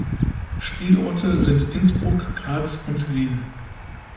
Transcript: Spielorte sind Innsbruck, Graz und Wien.